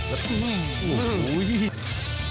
โอ้โฮ